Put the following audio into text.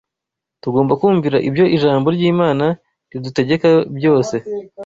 Tugomba kumvira ibyo ijambo ry’Imana ridutegeka byose